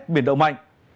biển động mạnh